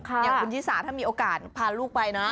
อย่างคุณชิสาถ้ามีโอกาสพาลูกไปนะ